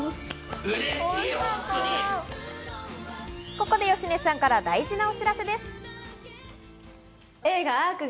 ここで芳根さんから大事なお知らせです。